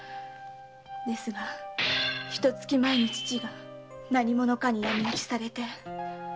ですがひと月前に父が何者かに闇討ちされて。